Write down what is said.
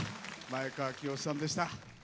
前川清さんでした。